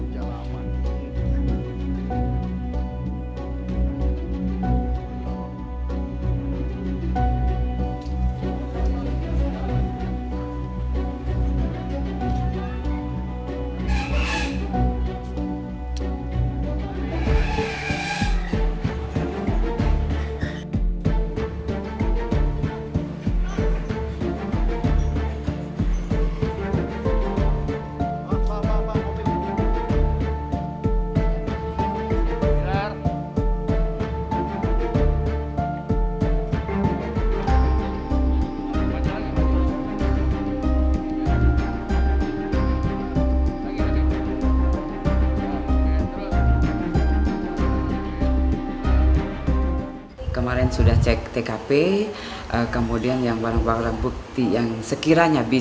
jangan lupa like share dan subscribe channel ini